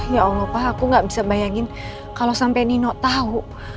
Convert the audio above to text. ya allah pak aku gak bisa bayangin kalau sampai nino tahu